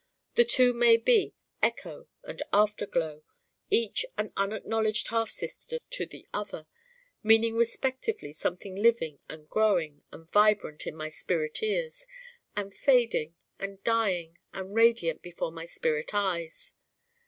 The two may be Echo and After glow, each an unacknowledged half sister to the other: meaning respectively something living and growing and vibrant in my spirit ears, and fading and dying and radiant before my spirit eyes.